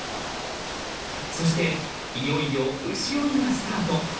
そしていよいよ牛追いがスタート。